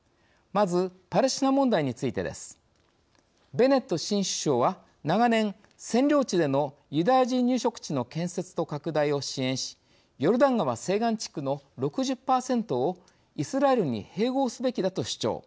ベネット新首相は長年占領地でのユダヤ人入植地の建設と拡大を支援しヨルダン川西岸地区の６０％をイスラエルに併合すべきだと主張。